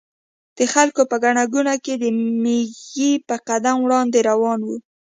د خلکو په ګڼه ګوڼه کې د مېږي په قدم وړاندې روان و.